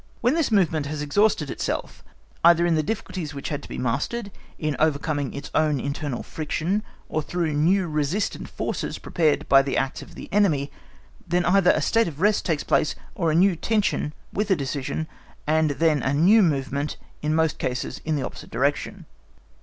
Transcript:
When this movement has exhausted itself, either in the difficulties which had to be mastered, in overcoming its own internal friction, or through new resistant forces prepared by the acts of the enemy, then either a state of rest takes place or a new tension with a decision, and then a new movement, in most cases in the opposite direction.